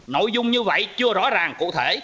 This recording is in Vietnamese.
nội dung như vậy chưa rõ ràng cụ thể